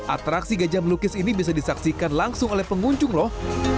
atraksi gajah melukis ini bisa disaksikan langsung oleh pengunjung loh